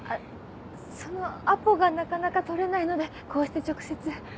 そのアポがなかなか取れないのでこうして直接。